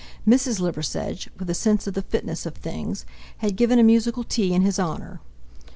Mrs. Liversedge, with a sense of the fitness of things, had given a musical tea in his honour.